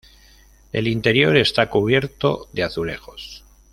El interior está cubierto de azulejos.